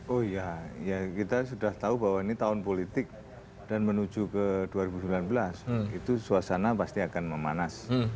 oh ya kita sudah tahu bahwa ini tahun politik dan menuju ke dua ribu sembilan belas itu suasana pasti akan memanas